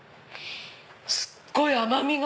すっごい甘みが。